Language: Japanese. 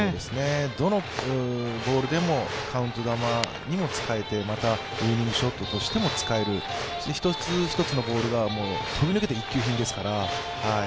どのボールでも、カウント球にも使えてまたウイニングショットとしても使える、一つ一つのボールが飛び抜けて一級品ですから。